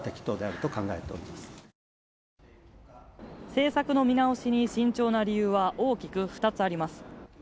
政策の見直しに慎重な理由は大きく二つあります。